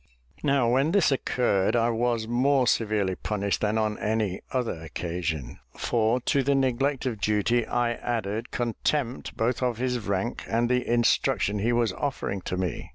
Now, when this occurred, I was more severely punished than on any other occasion; for, to the neglect of duty, I added contempt both of his rank and the instruction he was offering to me.